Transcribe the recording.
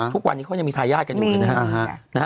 ทุกวันนี้เขายังมีทายาทกันอยู่เลยนะฮะ